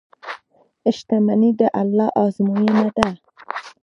• شتمني د الله ازموینه ده.